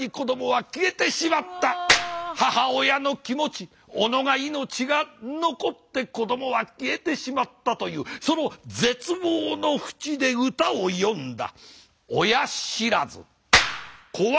母親の気持ちおのが命が残って子供は消えてしまったというその絶望のふちで歌を詠んだ。